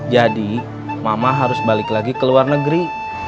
jadi mama harus balik lagi ke luar negeri